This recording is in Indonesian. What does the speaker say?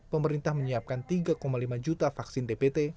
pemerintah menyiapkan tiga lima juta vaksin dpt